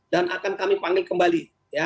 dan akan kami panggil kembali